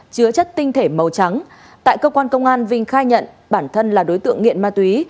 chứa chất tinh thể màu trắng tại cơ quan công an vinh khai nhận bản thân là đối tượng nghiện ma túy